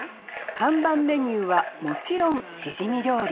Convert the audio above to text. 看板メニューはもちろんしじみ料理